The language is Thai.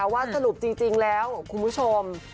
ทราบจริงแล้วคุณผู้ชม